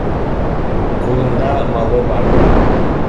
Ҡулында малы бар